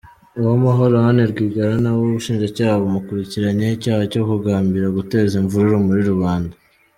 Uwamahoro Anne Rwigara na we ubushinjacyaha bumukurikiranyeho icyaha cyo kugambirira guteza imvururu muri rubanda.